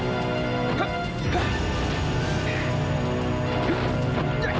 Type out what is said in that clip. aku mau bisa berita